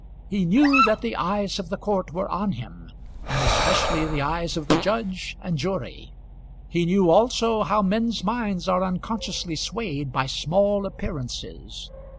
He knew that the eyes of the court were on him, and especially the eyes of the judge and jury. He knew also how men's minds are unconsciously swayed by small appearances.